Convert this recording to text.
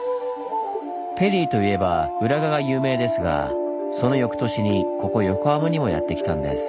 ペリーといえば浦賀が有名ですがその翌年にここ横浜にもやってきたんです。